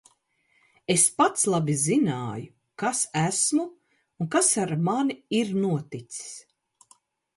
Es pats labi zin?ju, kas esmu un kas ar mani ir noticis.